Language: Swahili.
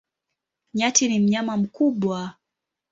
Nyati ni mnyama mkubwa.